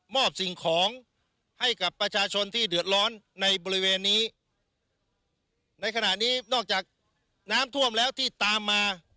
อบสิ่งของให้กับประชาชนที่เดือดร้อนในบริเวณนี้ในขณะนี้นอกจากน้ำท่วมแล้วที่ตามมา